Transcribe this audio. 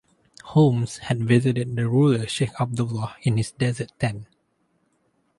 Holmes had visited the ruler Sheikh Abdullah in his desert tent.